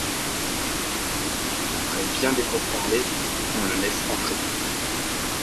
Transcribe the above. Après bien des pourparlers, on le laisse entrer.